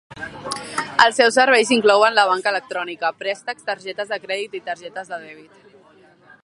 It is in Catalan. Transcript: Els seus serveis inclouen la banca electrònica, préstecs, targetes de crèdit i targetes de dèbit.